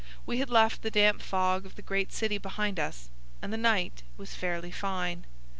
We had left the damp fog of the great city behind us, and the night was fairly fine.